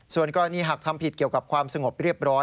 ส่วนกรณีหากทำผิดเกี่ยวกับความสงบเรียบร้อย